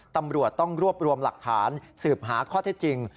ตำรวจต้องรวบรวมหลักฐานสืบหาข้อเท็จจริง